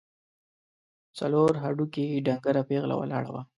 څلور هډوکي، ډنګره پېغله ولاړه وه.